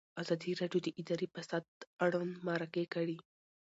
ازادي راډیو د اداري فساد اړوند مرکې کړي.